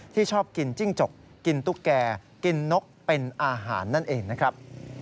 ชอบกินจิ้งจกกินตุ๊กแก่กินนกเป็นอาหารนั่นเองนะครับ